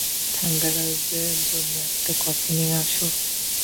থাঙ্গারাজের জন্য একটা কফি নিয়ে আসো।